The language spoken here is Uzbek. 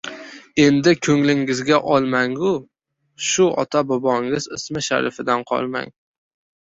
Endi, ko‘nglingizga olmang-u, shu, ota-bobongiz ismi sharifidan qolmang.